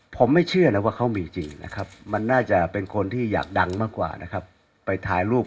ผมไม่เชื่อนะว่าเขามีจริงนะครับมันน่าจะเป็นคนที่อยากดังมากกว่านะครับไปถ่ายรูป